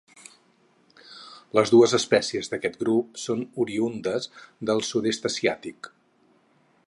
Les dues espècies d'aquest grup són oriündes del sud-est asiàtic.